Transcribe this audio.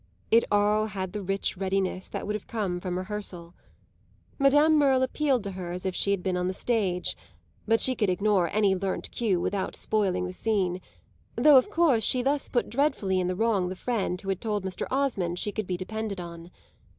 It all had the rich readiness that would have come from rehearsal. Madame Merle appealed to her as if she had been on the stage, but she could ignore any learnt cue without spoiling the scene though of course she thus put dreadfully in the wrong the friend who had told Mr. Osmond she could be depended on.